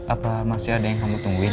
apa masih ada yang kamu tungguin